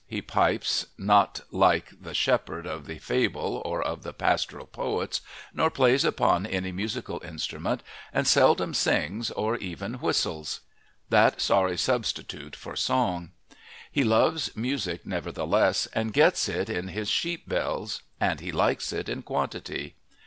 He pipes not like the shepherd of fable or of the pastoral poets, nor plays upon any musical instrument, and seldom sings, or even whistles that sorry substitute for song; he loves music nevertheless, and gets it in his sheep bells; and he likes it in quantity.